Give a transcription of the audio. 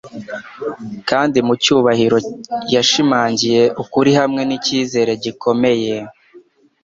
kandi mu cyubahiro, yashimangiye ukuri hamwe n’icyizere gikomeye